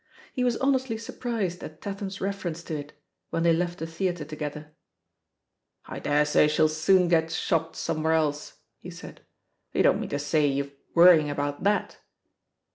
He was honestly surprised at Tat ham's reference to it, when they left the theatre together. '^I daresay she'll soon get shopped somewhere dse,'* he said. "You don't mean to say you're worrying about that?"